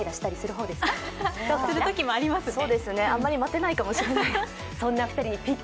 そうですね、あんまり待てないかもしれない。